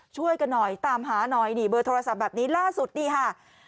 ช่วยกันหน่อยตามหาหน่อยนี่เบอร์โทรศัพท์แบบนี้ล่าสุดนี่ค่ะ